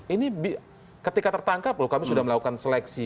ini ketika tertangkap loh kami sudah melakukan seleksi